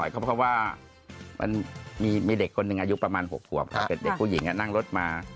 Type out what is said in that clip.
เคยมีเด็กผู้หญิงนั่งรถมา